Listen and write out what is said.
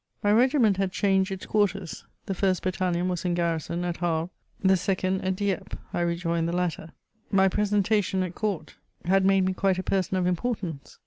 * My regiment had changed its quarters : the first battalion was in garrison at Havre, the second at Dieppe ; I rejoined the latter. My presentation at court had made me quite a person of importance.